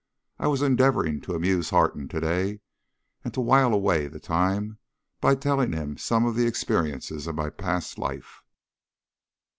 I was endeavouring to amuse Harton to day and to while away the time by telling him some of the experiences of my past life.